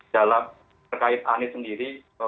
dalam terkait anis sendiri